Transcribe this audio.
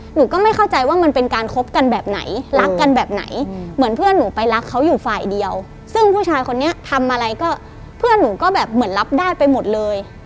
หนูก็ไม่เข้าใจว่ามันเป็นการคบกันแบบไหนรักกันแบบไหนเหมือนเพื่อนหนูไปรักเขาอยู่ฝ่ายเดียวซึ่งผู้ชายคนนี้ทำอะไรก็เพื่อนหนูก็แบบเหมือนรับได้ไปหมดเลย